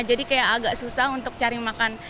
jadi kayak agak susah untuk cari makan